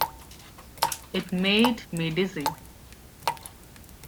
It made me dizzy.